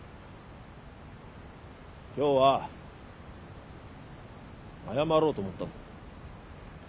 今日は謝ろうと思ったんだ。